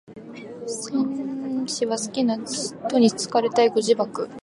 綿 h 氏は好きな使途に好かれたい。ご自爆